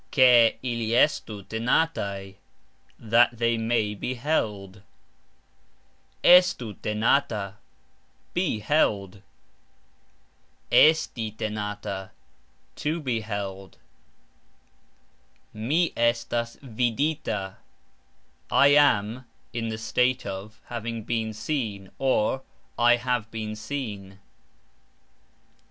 Ke ili estu tenataj ......... That they may be (being) held. Estu tenata ................. Be (being) held. Esti tenata ................. To be (being) held. Mi estas vidita ............. I am (in the state of) having been seen, or, I have been seen.